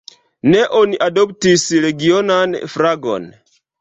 Ne oni adoptis regionan flagon.